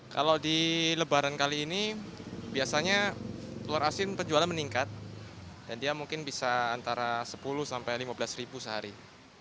kalau di lebaran kali ini biasanya telur asin penjualan meningkat dan dia mungkin bisa antara sepuluh sampai lima belas ribu sehari